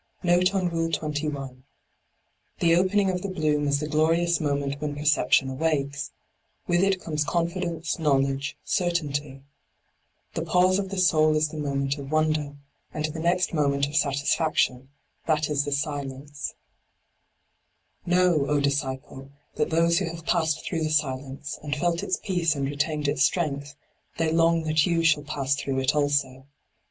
JVofe on Rule 21. — The opening of the bloom is the glorious moment when percep tion awakes: with it comes confidence^ knowledge, certainty. The pause of the soul is the moment of wonder, and the next moment of satisfaction, that is the silence. d by Google LIGHT ON THE PATH 27 Know, O disciple, that those who have passed through the silence, and felt its peace and retained its strength, they long that you shall pass through it also.